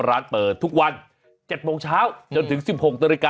ร้านเปิดทุกวัน๗โมงเช้าจนถึง๑๖นาฬิกา